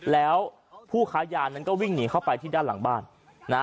แล้วผู้ค้ายานั้นก็วิ่งหนีเข้าไปที่ด้านหลังบ้านนะ